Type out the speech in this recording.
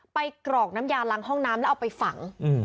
ไปกรอกน้ำยานลังห้องน้ำแล้วเอาไปฝังอืม